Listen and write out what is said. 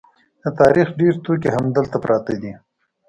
د تاریخ ډېر توکي همدلته پراته دي.